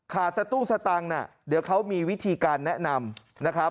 ขาดสตุกสตังค์เดี๋ยวเขามีวิธีการแนะนำ